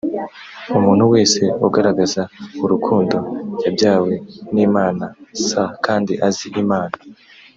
umuntu wese ugaragaza urukundo yabyawe n imana s kandi azi imana